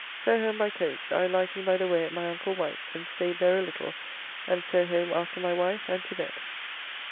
So home by coach, I lighting by the way at my uncle Wight's and staid there a little, and so home after my wife, and to bed.